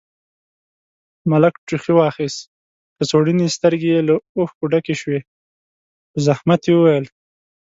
ملک ټوخي واخيست، کڅوړنې سترګې يې له اوښکو ډکې شوې، په زحمت يې وويل: